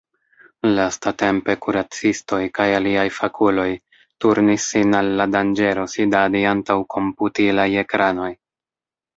Lastatempe kuracistoj kaj aliaj fakuloj turnis sin al la danĝero sidadi antaŭ komputilaj ekranoj.